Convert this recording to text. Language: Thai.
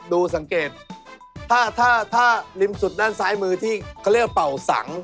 ดูสังเกตถ้าถ้าริมสุดด้านซ้ายมือที่เขาเรียกว่าเป่าสัง